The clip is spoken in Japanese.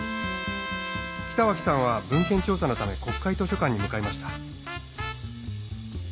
北脇さんは文献調査のため国会図書館に向かいました。